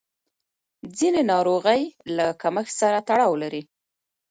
ځینې ناروغۍ له کمښت سره تړاو لري.